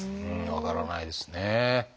分からないですね。